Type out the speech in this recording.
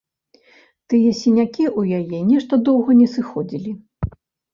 Тыя сінякі ў яе нешта доўга не сыходзілі.